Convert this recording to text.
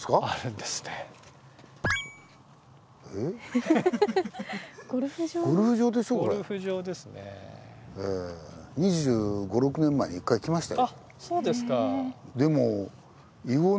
あっそうですか。